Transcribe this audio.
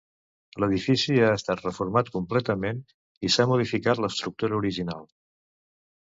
L'edifici ha estat reformat completament i s'ha modificat l'estructura original.